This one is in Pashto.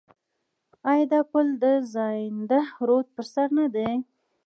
آیا دا پل د زاینده رود پر سر نه دی؟